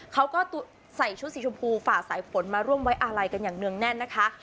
เขาก็ใส่ชุดสีชมพูฝ่าสายฝนมาร่วมไว้อาลัยกันอย่างเนื่องแน่นนะคะ